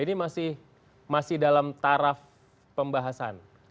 ini masih dalam taraf pembahasan